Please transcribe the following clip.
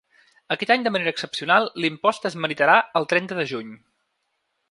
Aquest any de manera excepcional, l’impost es meritarà el trenta de juny.